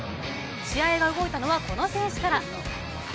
試合が動いたのはこの選手から。